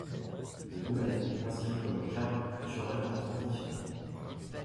Le domaine est inscrit comme bien culturel d'importance nationale.